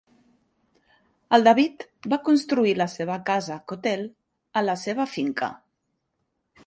El David va construir la seva casa, Cotele, a la seva finca.